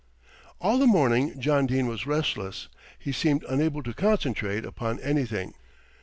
All the morning John Dene was restless. He seemed unable to concentrate upon anything.